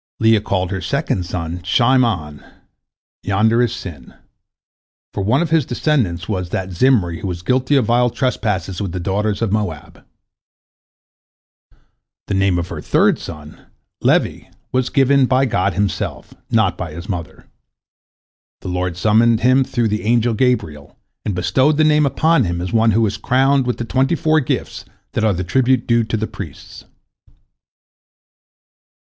" Leah called her second son Shime'on, "Yonder is sin," for one of his descendants was that Zimri who was guilty of vile trespasses with the daughters of Moab. The name of her third son, Levi, was given him by God Himself, not by his mother. The Lord summoned him through the angel Gabriel, and bestowed the name upon him as one who is "crowned" with the twenty four gifts that are the tribute due to the priests.